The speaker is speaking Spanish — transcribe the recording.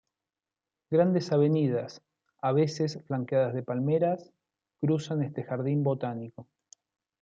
Grandes avenidas, a veces flanqueadas de palmeras, cruzan este jardín botánico.